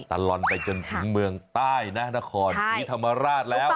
ตลอดไปจนถึงเมืองใต้นะนครศรีธรรมราชแล้ว